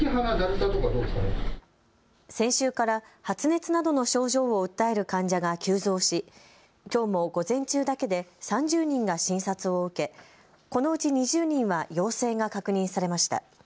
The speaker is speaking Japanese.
先週から発熱などの症状を訴える患者が急増しきょうも午前中だけで３０人が診察を受け、このうち２０人は陽性が確認されました。